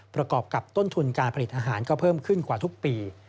ประกอบกับต้นทุนการผลิตอาหารก็เพิ่มขึ้นกว่าทุกปี